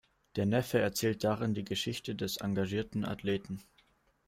Der Neffe erzählt darin die Geschichte des engagierten Athleten.